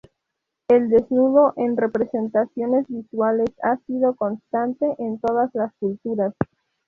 El desnudo en representaciones visuales ha sido constante en todas las culturas.